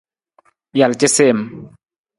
Jal casiim.